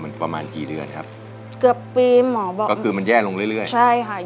มันประมานกี่เรื่อยนะครับก็คือมันแย่ลงเรื่อยใช่ค่ะ